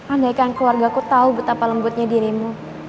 andaikan keluarga ku tahu betapa lembutnya dirimu